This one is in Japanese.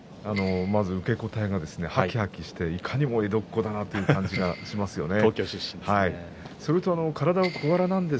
受け答えがはきはきして、いかにも江戸っ子だなっていう感じがしますね。